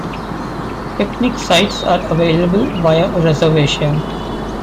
Picnic sites are available via reservation.